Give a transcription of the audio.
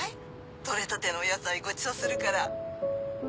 取れたてのお野菜ごちそうするから。